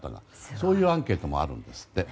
そういうアンケートもあるんですって。